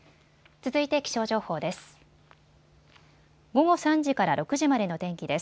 続いて気象情報です。